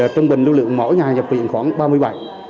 trong bệnh lưu lượng mỗi ngày nhập viện khoảng ba mươi bệnh